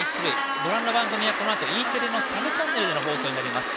ご覧の番組はこのあとＥテレのサブチャンネルでの放送になります。